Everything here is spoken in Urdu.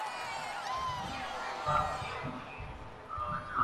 پنجاب ہاؤس میں۔